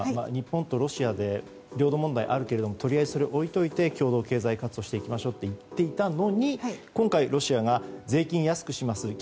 日本とロシアで領土問題がありますがとりあえずそれは置いておいて共同経済活動をしていきましょうといっていたのに今回ロシアが税金を安くします。